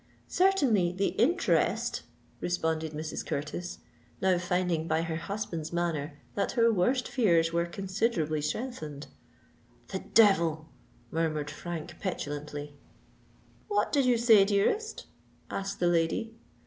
"Certainly—the interest," responded Mrs. Curtis, now finding by her husband's manner that her worst fears were considerably strengthened. "The devil!" murmured Frank petulantly. "What did you say, dearest?" asked the lady.